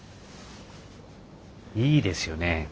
いいですよね